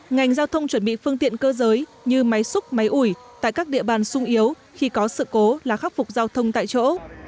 ngành giao thông chuẩn bị phương tiện cơ giới như máy xúc máy ủi tại các địa bàn sung yếu khi có sự cố là khắc phục giao thông tại chỗ